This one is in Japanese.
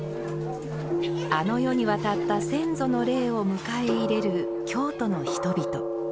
あの世に渡った先祖の霊を迎え入れる京都の人々。